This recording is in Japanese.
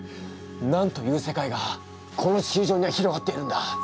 なんという世界がこの地球上には広がっているんだ！？